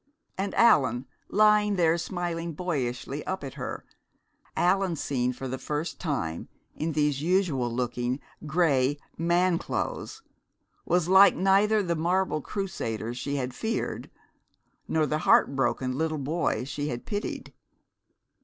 And Allan, lying there smiling boyishly up at her, Allan seen for the first time in these usual looking gray man clothes, was like neither the marble Crusader she had feared nor the heartbroken little boy she had pitied.